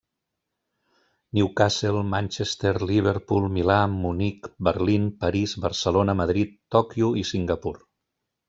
Newcastle, Manchester, Liverpool, Milà, Munic, Berlín, París, Barcelona, Madrid, Tòquio i Singapur.